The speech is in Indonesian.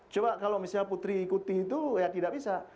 coba kalau misalnya putri ikuti itu ya tidak bisa